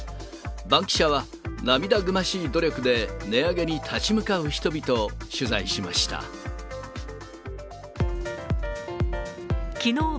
バンキシャは、涙ぐましい努力で、値上げに立ち向かう人々を取材しきのう